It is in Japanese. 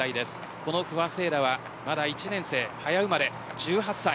この不破聖衣来はまだ１年生早生まれ１８歳。